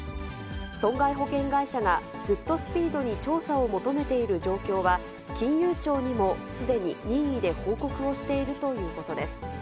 損害保険会社がグッドスピードに調査を求めている状況は、金融庁にもすでに任意で報告をしているということです。